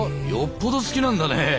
よっぽど好きなんだね。